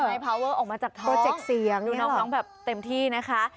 ให้พาเวอร์ออกมาจากท่อโปรเจกต์เสียงดูน้องแบบเต็มที่นะคะ